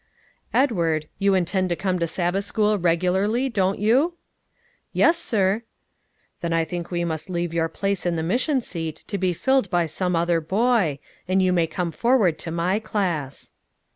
"Edward, you intend to come to Sabbath school regularly, don't you?" "Yes, sir." "Then I think we must leave your place in the mission seat to be filled by some other boy, and you may come forward to my class."